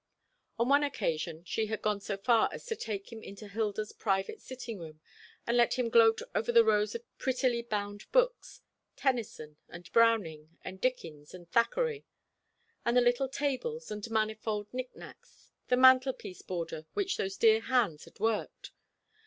On one occasion she had gone so far as to take him into Hilda's private sitting room, and let him gloat over the rows of prettily bound books Tennyson and Browning, and Dickens and Thackeray and the little tables, and manifold nicknacks, the mantelpiece border which those dear hands had worked.